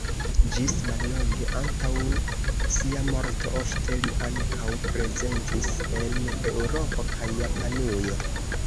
Ĝis mallonge antaŭ sia morto ofte li ankaŭ prezentis en Eŭropo kaj Japanujo.